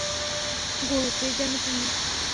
গুরু কে জানো তুমি?